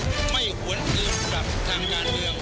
ไม่หวนอื่นกลับทางยานเดียว